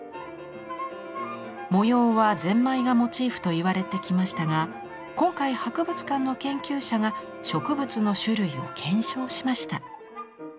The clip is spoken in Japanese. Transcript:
模様はゼンマイがモチーフといわれてきましたが今回博物館の研究者が植物の種類を検証しました。